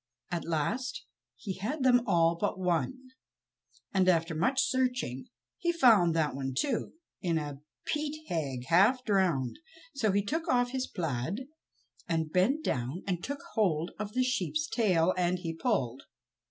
At last he had them all but one; and after much searching he found that one, too, in a peat hag, half drowned; so he took off his plaid, and bent down and took hold of the sheep's tail and he pulled!